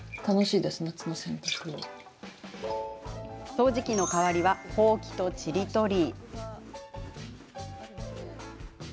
掃除機の代わりはほうきと、ちりとり。